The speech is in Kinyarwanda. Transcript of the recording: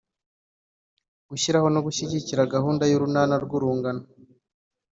Gushyiraho no gushyigikira gahunda y Urunana rw Urungano